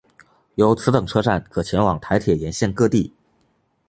由此等车站可前往台铁沿线各地。